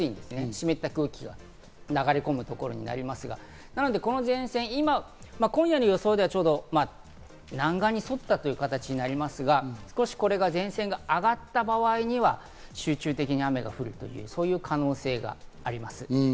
湿った空気が流れ込むところになりますが、今夜の予想では南岸に沿ったという形になりますが、少し前線が上がった場合には集中的に雨が降る、そういう可能性があります。